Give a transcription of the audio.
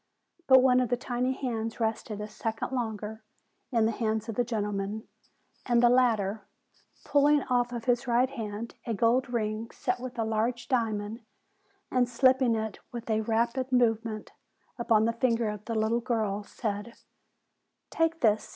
But one of the tiny hands rested a second longer in the hands of the gentleman; and the latter, pulling off of his right hand a gold ring set with a large diamond, and slipping it with a rapid movement upon the finger of the little girl, said: "Take this!